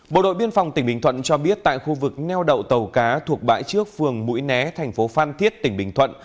bộ đội biên phòng tỉnh bình thuận cho biết tại khu vực neo đậu tàu cá thuộc bãi trước phường mũi né thành phố phan thiết tỉnh bình thuận